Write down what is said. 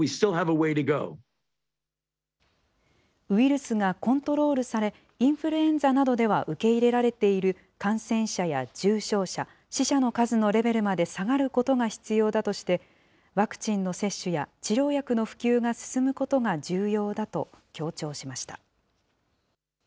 ウイルスがコントロールされ、インフルエンザなどでは受け入れられている感染者や重症者、死者の数のレベルまで下がることが必要だとして、ワクチンの接種や治療薬の普及が進むことが重要だと強調しました。